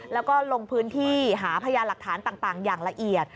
แล้วก็ลงพื้นที่หาพยานหลักฐานต่างอย่างละเอียด